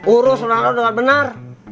urus ronaldo dengan benar